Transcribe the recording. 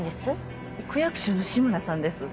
区役所の志村さんです。